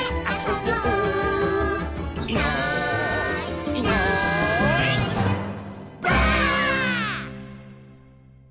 「いないいないばあっ！」